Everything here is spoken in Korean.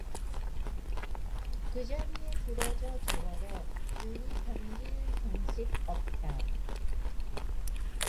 그 자리에 쓰러져 죽어도 눈이 감길 성싶었다.